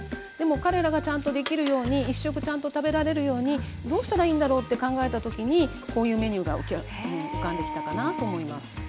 でも彼らがちゃんとできるように一食ちゃんと食べられるようにどうしたらいいんだろうって考えた時にこういうメニューが浮かんできたかなと思います。